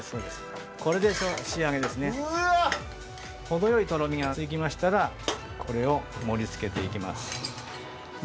程よいトロミがつきましたらこれを盛り付けて行きます。